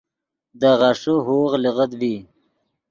دے غیݰے ہوغ لیغت ڤی